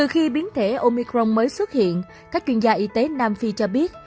khi biến thể omicron mới xuất hiện các chuyên gia y tế nam phi cho biết